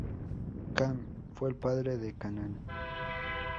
Cam fue el padre de Canaán.